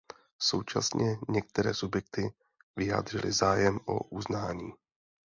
Současně některé subjekty vyjádřily zájem o uznání.